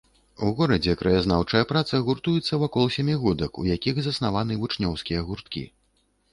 У горадзе краязнаўчая праца гуртуецца вакол сямігодак, у якіх заснаваны вучнёўскія гурткі.